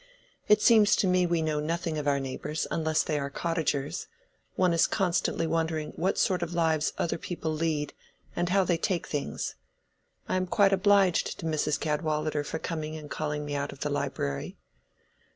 "It seems to me we know nothing of our neighbors, unless they are cottagers. One is constantly wondering what sort of lives other people lead, and how they take things. I am quite obliged to Mrs. Cadwallader for coming and calling me out of the library."